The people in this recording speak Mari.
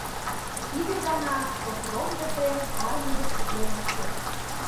Тиде гана Сопром Епрем армий гыч утлен ыш керт.